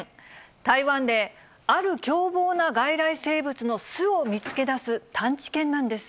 台湾である凶暴な外来生物の巣を見つけだす探知犬なんです。